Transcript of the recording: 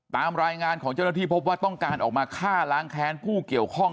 ตามรายงานของเจ้าหน้าที่พบว่าต้องการออกมาฆ่าล้างแค้นผู้เกี่ยวข้อง